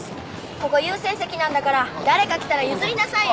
ここ優先席なんだから誰か来たら譲りなさいよ。